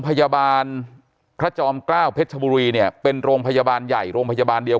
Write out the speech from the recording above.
พยาบาลพระจอมเกล้าเพชรชบุรีเนี่ยเป็นโรงพยาบาลใหญ่โรงพยาบาลเดียว